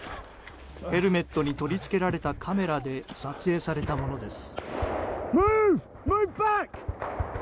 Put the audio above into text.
ヘルメットに取り付けられたカメラで撮影されたものです。